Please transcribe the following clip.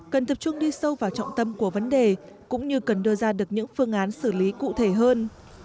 cần tập trung đi sâu vào trọng tâm của vấn đề cũng như cần đưa ra được những phương án xử lý cụ thể hơn